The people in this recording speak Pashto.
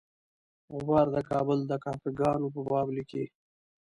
غبار د کابل د کاکه ګانو په باب لیکي.